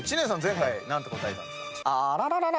前回何て答えたんですか？